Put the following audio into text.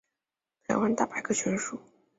台湾大百科全书